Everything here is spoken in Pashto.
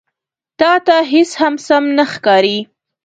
_تاته هېڅ هم سم نه ښکاري.